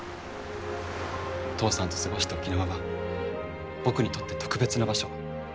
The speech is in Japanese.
父さんと過ごした沖縄は僕にとって特別な場所。